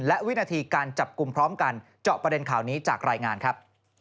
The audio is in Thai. และวินาทีการจับกลุ่มพร้อมกันเจาะประเด็นข่าวนี้จากรายงานครับ